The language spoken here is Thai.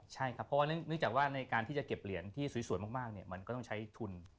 ใช่ครับเพราะว่าเนื่องจากว่าในการที่จะเก็บเหรียญที่สวยมากมันก็ต้องใช้ทุน